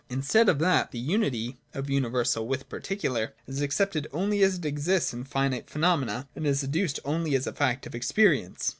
Instead of that, the unity (of universal with par ticular) is accepted only as it exists in finite phenomena, and is adduced only as a fact of experience.